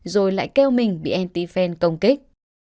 rồi lại kêu mình bị anti fan công kích